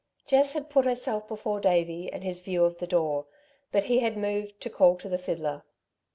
Jess had put herself before Davey and his view of the door; but he had moved to call to the fiddler.